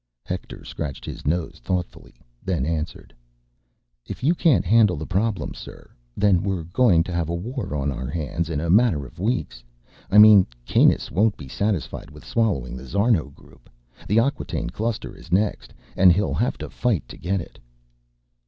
Hector scratched his nose thoughtfully, then answered. "If you can't handle the problem, sir, then we're going to have a war on our hands in a matter of weeks. I mean, Kanus won't be satisfied with swallowing the Szarno group ... the Acquataine Cluster is next ... and he'll have to fight to get it."